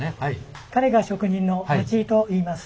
彼が職人の待井といいます。